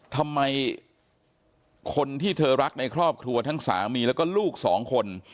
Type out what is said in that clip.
ทำไมคนที่เธอรักในครอบครัวทั้งสามีแล้วก็ลูกสองคน